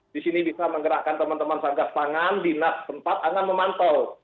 di sini bisa menggerakkan teman teman sahgas pangan di tempat akan memantau